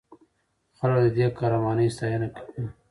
خلک د دې قهرمانۍ ستاینه کوي.